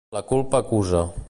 La culpa acusa.